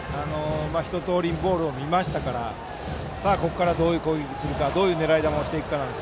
一通り、ボールを見ましたからここから、どういう攻撃をするかどういう狙い球をするか。